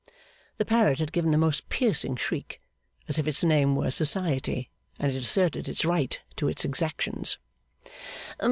The parrot had given a most piercing shriek, as if its name were Society and it asserted its right to its exactions.